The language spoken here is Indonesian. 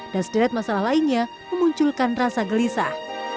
dan sederet masalah lainnya memunculkan rasa gelisah